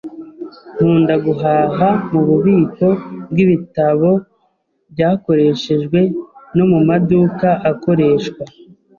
Nkunda guhaha mububiko bwibitabo byakoreshejwe no mumaduka akoreshwa.